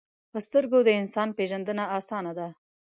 په سترګو د انسان پیژندنه آسانه ده